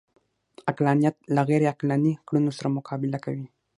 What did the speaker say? عقلانیت له غیرعقلاني کړنو سره مقابله کوي